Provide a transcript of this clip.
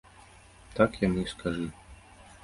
Так яму і скажы.